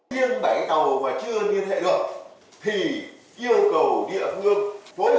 tiếng bảy tàu mà chưa liên hệ được thì yêu cầu địa phương